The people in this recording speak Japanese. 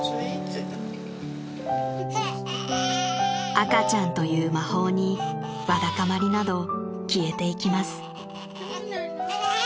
［赤ちゃんという魔法にわだかまりなど消えていきます］